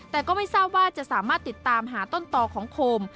แต่ก็ไม่ทราบว่าจะสามารถติดตามหาต้นต่อของโคม